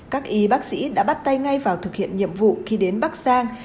các y bác sĩ đã bắt tay ngay vào thực hiện nhiệm vụ khi đến bắc giang